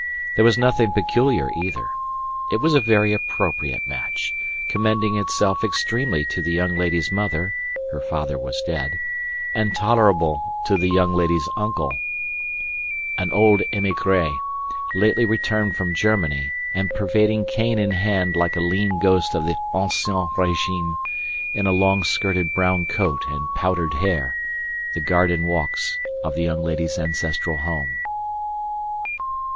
There was nothing peculiar, either. It was a very appropriate match, commending itself extremely to the young lady's mother (her father was dead) and tolerable to the young lady's uncle an old émigré, lately returned from Germany, and pervading cane in hand like a lean ghost of the ancien régime in a long skirted brown coat and powdered hair, the garden walks of the young lady's ancestral home.